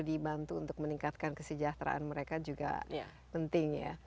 perlu dibantu untuk meningkatkan kesejahteraan mereka juga penting ya